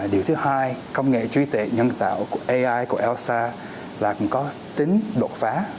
điều thứ hai công nghệ trí tuệ nhân tạo của ai của elsa là cũng có tính độ phá